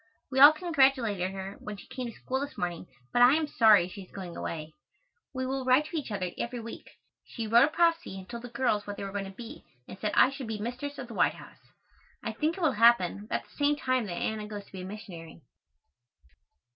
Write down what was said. We all congratulated her when she came to school this morning, but I am sorry she is going away. We will write to each other every week. She wrote a prophecy and told the girls what they were going to be and said I should be mistress of the White House. I think it will happen, about the same time that Anna goes to be a missionary.